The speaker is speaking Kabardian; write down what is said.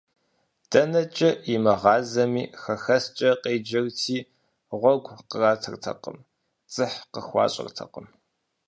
ДэнэкӀэ имыгъазэми, «хэхэскӀэ» къеджэрти, гъуэгу къратыртэкъым, дзыхь къыхуащӀыртэкъым.